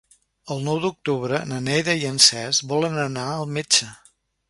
El nou d'octubre na Neida i en Cesc volen anar al metge.